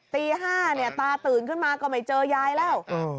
ตี๕เนี่ยตาตื่นขึ้นมาก็ไม่เจอยายแล้ว